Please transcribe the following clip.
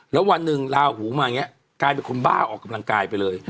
แล้ววันหนึ่งลาหูมาอย่างนี้กลายเป็นคนบ้าออกกำลังกายไปเลย